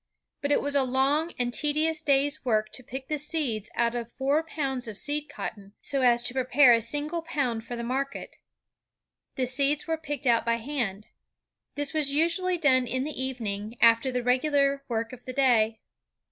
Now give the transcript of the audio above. But it was a long and tedious day's work to pick the seeds out of four pounds of seed cotton, so as to prepare a single pound for the market. The seeds were picked out by hand. This was usually done in the evening, after the regular work of the day.